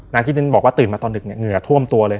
นางคิดสินบอกว่าตื่นมาตอนดึกเหงื่อท่วมตัวเลย